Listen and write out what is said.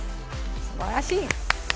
すばらしい！